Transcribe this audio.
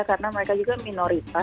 karena mereka juga minoritas